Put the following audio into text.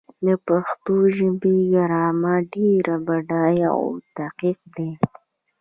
د پښتو ژبې ګرامر ډېر بډایه او دقیق دی.